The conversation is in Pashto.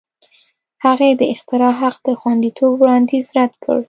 هغې د اختراع حق د خوندیتوب وړاندیز رد کړ.